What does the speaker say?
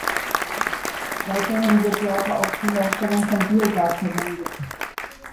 Weiterhin wird Jauche auch zur Herstellung von Biogas verwendet.